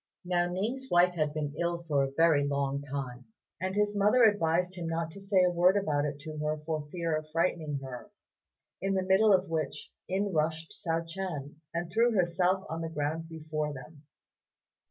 Now Ning's wife had been ill for a long time, and his mother advised him not to say a word about it to her for fear of frightening her; in the middle of which in rushed Hsiao ch'ien, and threw herself on the ground before them.